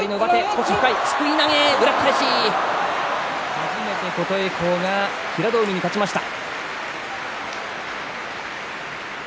初めて琴恵光が平戸海に勝ちました。